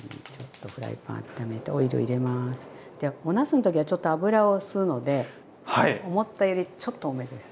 でおなすの時はちょっと油を吸うので思ったよりちょっと多めです。